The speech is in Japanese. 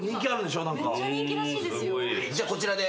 じゃこちらで。